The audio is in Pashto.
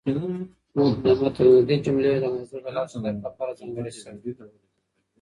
د مط الندې جملې د موضوع د لاښه درک لپاره ځانګړې شوې.